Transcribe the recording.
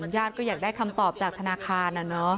อย่างก็อยากได้คำตอบจากทนาคาร